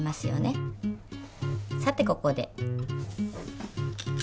さてここで。